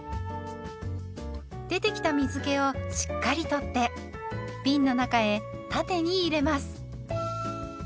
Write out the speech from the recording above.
出てきた水けをしっかり取ってびんの中へ縦に入れます。